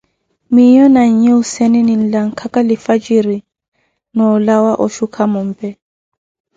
Miyo na nyi Husseene, linlakaga lifwajiri, na olawa oshuka mombe.